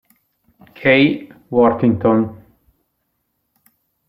Kay Worthington